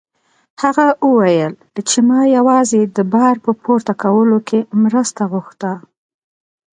هغه وویل چې ما یوازې د بار په پورته کولو کې مرسته غوښته.